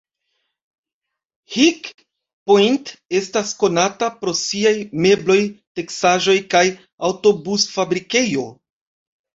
High Point estas konata pro siaj mebloj, teksaĵoj, kaj aŭtobus-fabrikejo.